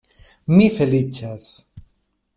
Mi feliĉas.